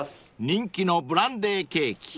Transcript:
［人気のブランデーケーキ